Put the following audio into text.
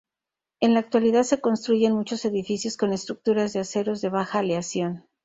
En la actualidad se construyen muchos edificios con estructuras de aceros de baja aleación.